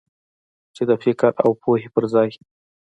چې د فکر او پوهې پر ځای.